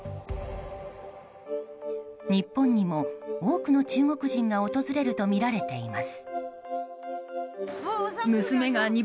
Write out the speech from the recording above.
日本にも多くの中国人が訪れるとみられています。